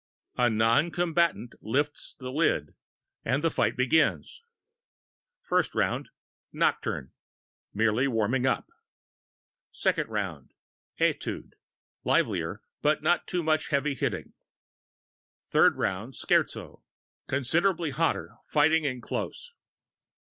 A non combatant lifts the lid, and the fight begins. FIRST ROUND: Nocturne. (Merely warming up.) SECOND ROUND: Etude. (Livelier, but not much heavy hitting.) THIRD ROUND: Scherzo. (Considerably hotter; fighting in close.)